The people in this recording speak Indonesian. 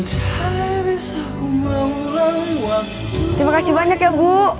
terima kasih banyak ya bu